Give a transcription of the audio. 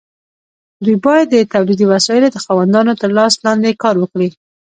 دوی باید د تولیدي وسایلو د خاوندانو تر لاس لاندې کار وکړي.